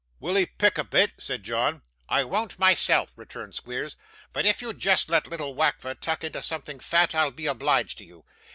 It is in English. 'Will 'ee pick a bit?' said John. 'I won't myself,' returned Squeers; 'but if you'll just let little Wackford tuck into something fat, I'll be obliged to you.